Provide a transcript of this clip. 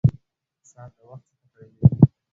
ساعت د وخت څخه پېلېږي.